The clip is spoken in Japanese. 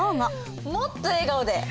もっと笑顔で！